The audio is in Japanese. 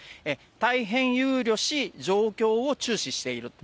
大変憂慮し、状況を注視している。